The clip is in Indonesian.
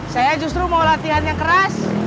saya justru mau latihan yang keras